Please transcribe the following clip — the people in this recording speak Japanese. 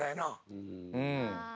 うん。